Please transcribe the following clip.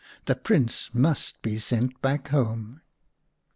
The Prince must be sent back home.